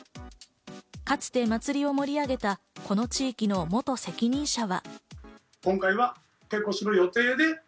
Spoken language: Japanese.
かつて祭を盛り上げたこの地域の元責任者は。